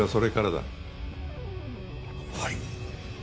はい。